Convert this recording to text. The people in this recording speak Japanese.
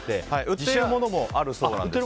売っているものもあるそうなんです。